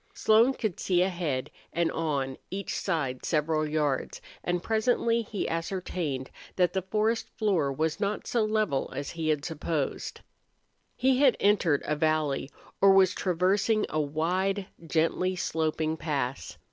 Slone could see ahead and on each side several hundred yards, and presently he ascertained that the forest floor was not so level as he had supposed. He had entered a valley or was traversing a wide, gently sloping pass.